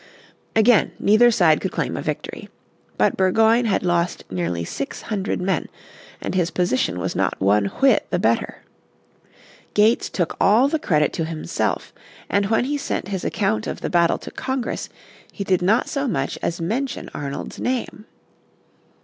Again neither side could claim a victory. But Burgoyne had lost nearly six hundred men, and his position was not one whit the better. Gates took all the credit to himself, and when he sent his account of the battle to Congress he did not so much as mention Arnold's name.